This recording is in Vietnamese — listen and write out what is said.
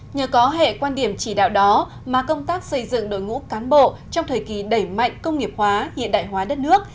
nhờ có hệ quan điểm chỉ đạo đó mà công tác xây dựng đội ngũ cán bộ trong thời kỳ đẩy mạnh công nghiệp hóa hiện đại hóa đất nước